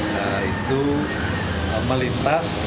dan itu melintas